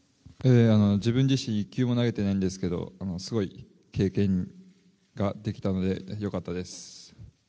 自分自身１球も投げていないんですけどすごい経験ができたので良かったです。